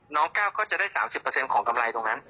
ก้าวก็จะได้๓๐ของกำไรตรงนั้น